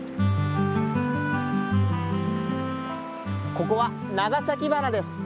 ここは長崎鼻です。